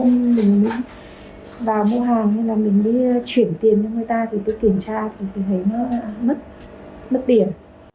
và những cái mua hàng thì mình cũng vào mua hàng hay là mình đi chuyển tiền cho người ta thì tôi kiểm tra thì thấy nó mất tiền